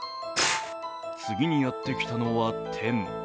次にやってきたのは、テン。